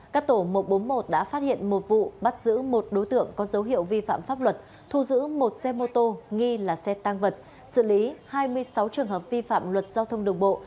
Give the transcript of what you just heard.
các tổ một trăm bốn mươi một đã phát hiện một vụ bắt giữ một đối tượng có dấu hiệu vi phạm pháp luật thu giữ một xe mô tô nghi là xe tăng vật xử lý hai mươi sáu trường hợp vi phạm luật giao thông đường bộ